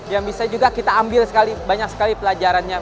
yang bisa juga kita ambil banyak sekali pelajarannya